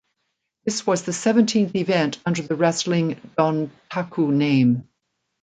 This was the seventeenth event under the Wrestling Dontaku name.